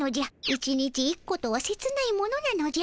１日１個とはせつないものなのじゃ。